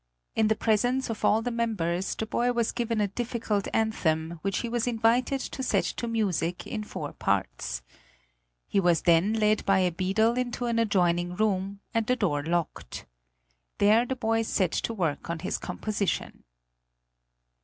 In the presence of all the members the boy was given a difficult anthem, which he was invited to set to music in four parts. He was then led by a beadle into an adjoining room, and the door locked. There the boy set to work on his composition.